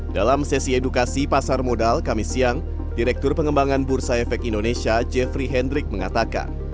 dalam sesi edukasi pasar modal kami siang direktur pengembangan bursa efek indonesia jeffrey hendrik mengatakan